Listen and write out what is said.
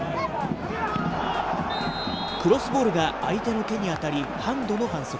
クロスボールが相手の手に当たり、ハンドの反則。